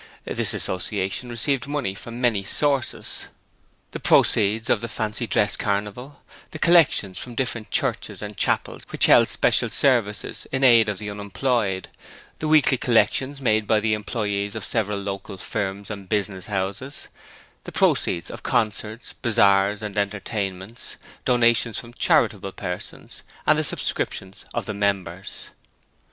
This association received money from many sources. The proceeds of the fancy dress carnival; the collections from different churches and chapels which held special services in aid of the unemployed; the weekly collections made by the employees of several local firms and business houses; the proceeds of concerts, bazaars, and entertainments, donations from charitable persons, and the subscriptions of the members.